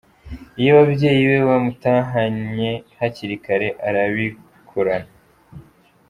Iyo ababyeyi be batamuhannye hakiri kare arabikurana.